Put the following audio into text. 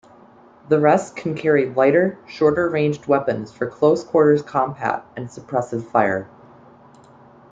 The rest can carry lighter, shorter-ranged weapons for close-quarters combat and suppressive fire.